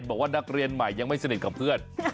บอกว่านักเรียนใหม่ยังไม่สนิทกับเพื่อน